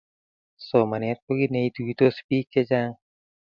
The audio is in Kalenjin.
Somanet ko kit ne ituitos bik che chang